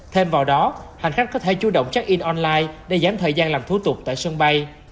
thêm vào đó hành khách có thể chú động check in online để giảm thời gian làm thủ tục tại sân bay